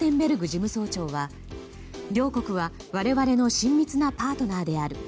事務総長は両国は我々の親密なパートナーである。